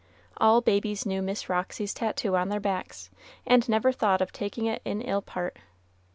All babies knew Miss Roxy's tattoo on their backs, and never thought of taking it in ill part.